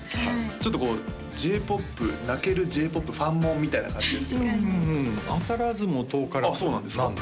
ちょっとこうＪ−ＰＯＰ泣けるＪ−ＰＯＰファンモンみたいな感じですけど当たらずも遠からずなんですよああ